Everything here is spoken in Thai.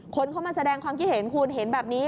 คนเข้ามาแสดงความคิดเห็นคุณเห็นแบบนี้